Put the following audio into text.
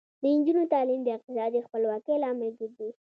د نجونو تعلیم د اقتصادي خپلواکۍ لامل ګرځي.